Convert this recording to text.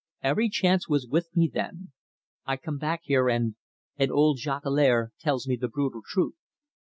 Every chance was with me then. I come back here, and and Jolicoeur tells me the brutal truth.